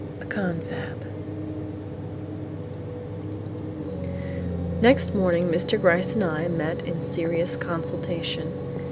A CONFAB Next morning Mr. Gryce and I met in serious consultation.